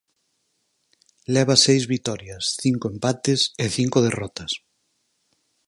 Leva seis vitorias, cinco empates e cinco derrotas.